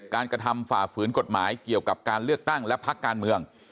การกระทำฝ่าฝืนกฎหมายเกี่ยวกับการเลือกตั้งและพักการเมือง